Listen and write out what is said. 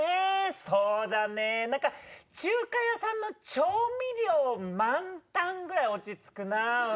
そうだねー、なんか中華屋さんの調味料満タンぐらい落ち着くな。